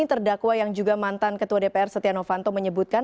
terdakwa yang juga mantan ketua dpr setia novanto menyebutkan